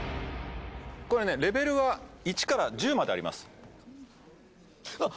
これねレベルは１から１０までありますあっ！